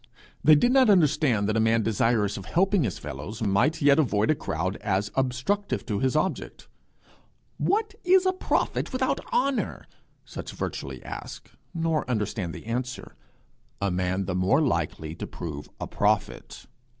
They did not understand that a man desirous of helping his fellows might yet avoid a crowd as obstructive to his object. 'What is a prophet without honour?' such virtually ask, nor understand the answer, 'A man the more likely to prove a prophet.'